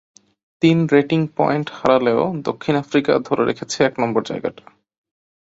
তিন rating point হারালেও দক্ষিণ আফ্রিকা ধরে রেখেছে এক নম্বর জায়গাটা।